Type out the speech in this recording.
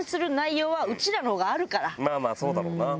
まぁまぁそうだろうな。